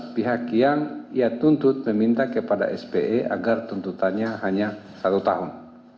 pihak yang ia tuntut meminta kepada spe agar tuntutannya hanya satu tahun